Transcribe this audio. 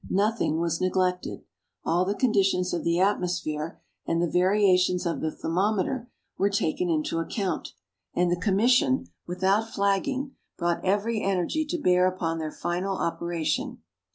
Nothing was neglected ; all the conditions of the atmosphere, and the variations of the thermometer, were taken into account, and the Commission, without flagging, brought every energy to bear upon their final operation.